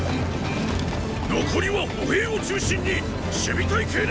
残りは歩兵を中心に守備隊形で待機！